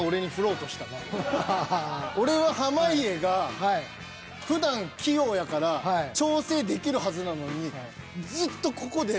俺は濱家がふだん器用やから調整できるはずなのにずっとここで。